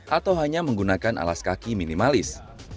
atau hanya menggunakan alas kaki minimalis